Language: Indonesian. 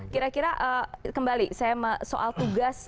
kira kira kembali saya soal tugas